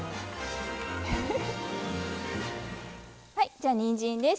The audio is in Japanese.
じゃあにんじんです。